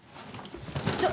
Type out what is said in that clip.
ちょっ。